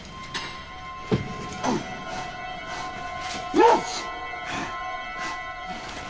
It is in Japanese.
よし！